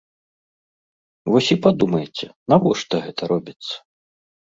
Вось і падумайце, навошта гэта робіцца.